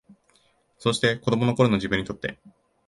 そうして、子供の頃の自分にとって、